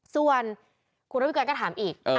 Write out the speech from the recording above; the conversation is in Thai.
ส่วนคุณพิเกิร์นก็ถามอีก